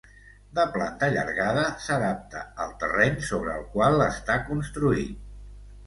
De planta allargada, s'adapta al terreny sobre el qual està construït.